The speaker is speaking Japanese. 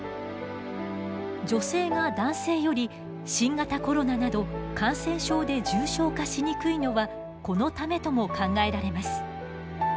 女性が男性より新型コロナなど感染症で重症化しにくいのはこのためとも考えられます。